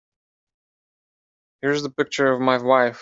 Here's the picture of my wife.